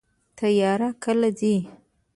تیاره کله ځي؟